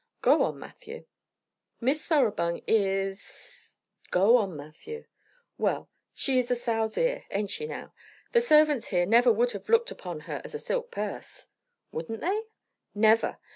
"Go on, Matthew." "Miss Thoroughbung is " "Go on, Matthew." "Well; she is a sow's ear. Ain't she, now? The servants here never would have looked upon her as a silk purse." "Wouldn't they?" "Never!